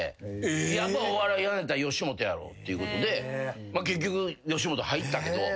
やっぱお笑いやるんやったら吉本やろうっていうことで結局吉本入ったけど。